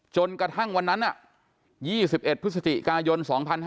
จนกระทั่งวันนั้น๒๑พฤศจิกายน๒๕๕๙